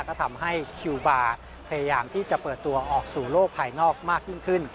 ก็ทำให้คิวบาร์พยายามที่จะเปิดตัวออกสู่โลกภายนอกมากยิ่งขึ้น